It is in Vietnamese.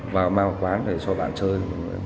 vào ba quán để cho bạn chơi